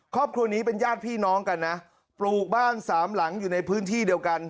ครอบครัวนี้เป็นญาติพี่น้องกันนะปลูกบ้านสามหลังอยู่ในพื้นที่เดียวกัน